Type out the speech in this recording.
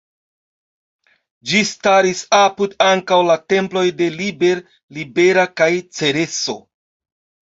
Ĝi staris apud ankaŭ la temploj de Liber, Libera kaj Cereso.